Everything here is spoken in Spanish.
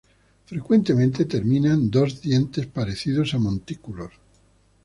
Frecuentemente termina en dos dientes parecidos a montículos.